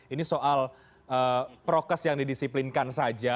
ini soal prokes yang didisiplinkan saja